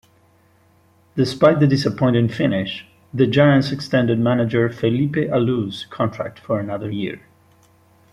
Despite the disappointing finish, the Giants extended manager Felipe Alou's contract for another year.